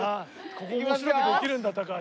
ここ面白くできるんだ高橋。